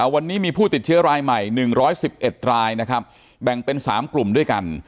วันนี้มีผู้ติดเชื้อรายใหม่๑๑๑รายนะครับแบ่งเป็น๓กลุ่มด้วยกัน